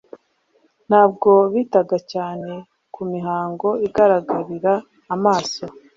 Nubwo bitaga cyane ku mihango igaragarira amaso,